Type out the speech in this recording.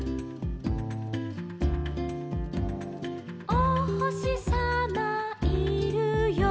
「おほしさまいるよ」